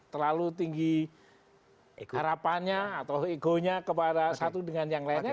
terlalu tinggi harapannya atau egonya kepada satu dengan yang lainnya